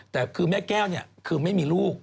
แต่คือแม่แก้วเนี่ยคือไม่มีลูก